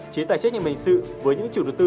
chế tài trách nhà mệnh sự với những chủ đầu tư